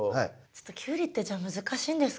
ちょっとキュウリってじゃあ難しいんですかね。